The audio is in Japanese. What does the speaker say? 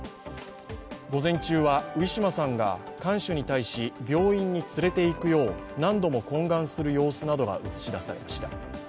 午前中はウィシュマさんが看守に対し病院に連れていくよう何度も懇願する様子などが映し出されました。